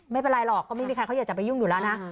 ไม่เป็นไรหรอกก็ไม่มีใครเขาอยากจะไปยุ่งอยู่แล้วนะ